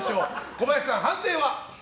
小林さん、判定は？